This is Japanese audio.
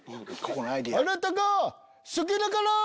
あなたが好きだから！